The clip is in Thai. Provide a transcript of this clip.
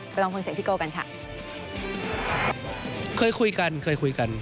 ไปลองฟังเสียงพิโก้กันค่ะ